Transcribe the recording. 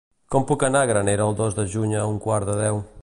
Com puc anar a Granera el dos de juny a un quart de deu?